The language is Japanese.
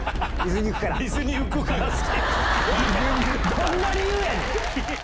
どんな理由やねん！